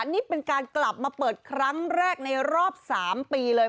นี่เป็นการกลับมาเปิดครั้งแรกในรอบ๓ปีเลย